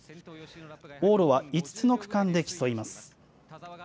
往路は５つの区間で競います。